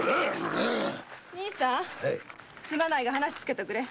兄さんすまないが話をつけておくれ！